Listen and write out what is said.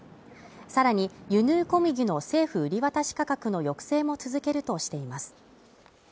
さらに輸入小麦の政府売渡価格の抑制も続けるとしています。